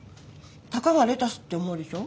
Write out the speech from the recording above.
たかがレタスって思うでしょ？